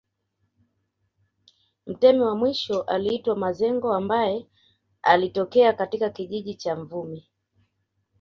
Mtemi wa mwisho aliitwa Mazengo ambaye alitokea katika kijiji cha Mvumi